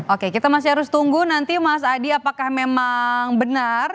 oke kita masih harus tunggu nanti mas adi apakah memang benar